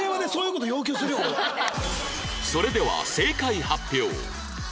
それでは正解発表